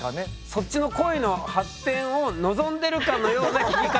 そっちの恋の発展を望んでるかのような聞き方。